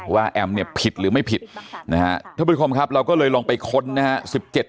แอมเนี่ยผิดหรือไม่ผิดนะฮะท่านผู้ชมครับเราก็เลยลองไปค้นนะฮะ